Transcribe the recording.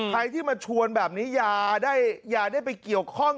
ใครที่มาชวนแบบนี้อย่าได้ไปเกี่ยวข้อง